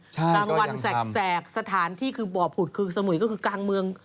กลางวันแสกสถานที่คือบ่อผุดคือสมุยก็คือกลางเมือง